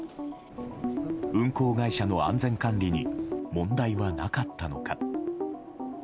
運航会社の安全管理に問題はなかったのか。